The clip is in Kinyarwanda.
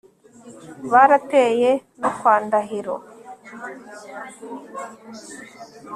Barateye no kwa Ndahiro